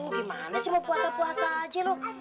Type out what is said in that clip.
oh gimana sih mau puasa puasa aja lo